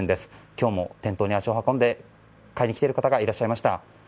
今日も店頭に足を運んで買いに来ている方がいらっしゃいました。